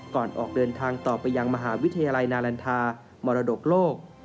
ออกเดินทางต่อไปยังมหาวิทยาลัยนาลันทานรดกโลก